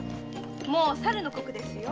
もう申の刻ですよ。